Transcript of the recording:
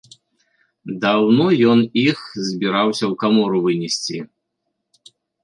Даўно ён іх збіраўся ў камору вынесці.